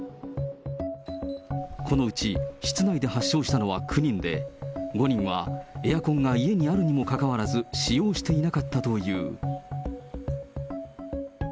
このうち、室内で発症したのは９人で、５人はエアコンが家にあるにもかかわらず、使用していなかったという。